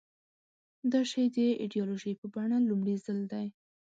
دا شی د ایدیالوژۍ په بڼه لومړي ځل ده.